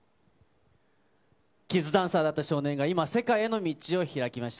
キッズダンサーだった少年が今、世界への道を開きました。